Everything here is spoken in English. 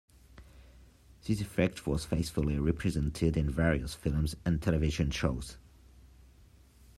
This effect was faithfully represented in various films and television shows.